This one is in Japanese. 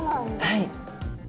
はい。